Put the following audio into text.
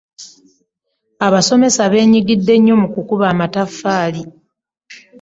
Abasomesa bennyigidde nyo mu kukuba amatafaali.